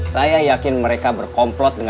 saya yakin mereka berpengalaman dengan saya